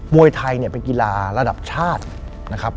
วยไทยเนี่ยเป็นกีฬาระดับชาตินะครับ